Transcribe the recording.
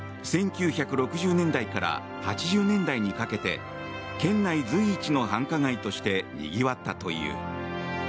１９６０年代から８０年代にかけて県内随一の繁華街としてにぎわったという。